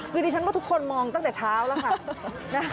คือดิฉันว่าทุกคนมองตั้งแต่เช้าแล้วค่ะ